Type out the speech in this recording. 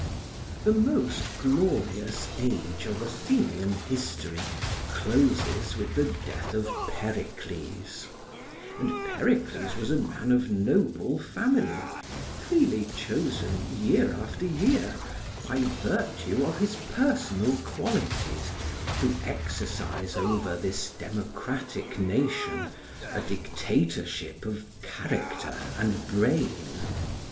The most glorious age of Athenian history closes with the death of Pericles; and Pericles was a man of noble family, freely chosen, year after year, by virtue of his personal qualities, to exercise over this democratic nation a dictatorship of character and brain.